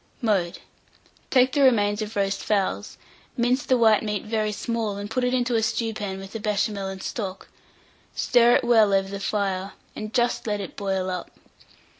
Mode. Take the remains of roast fowls, mince the white meat very small, and put it into a stewpan with the Béchamel and stock; stir it well over the fire, and just let it boil up.